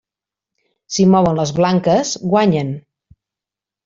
Si mouen les blanques, guanyen.